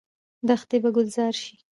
دښتې به ګلزار شي.